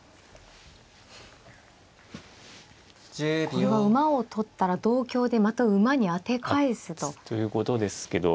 これは馬を取ったら同香でまた馬に当て返すと。ということですけど。